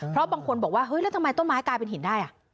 เพราะบางคนบอกว่าเฮ้ยแล้วทำไมต้นไม้กลายเป็นหินได้